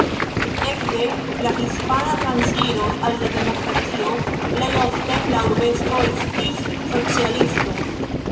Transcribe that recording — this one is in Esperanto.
Ekde la Hispana Transiro al la demokratio plej ofte la urbestro estis socialisto.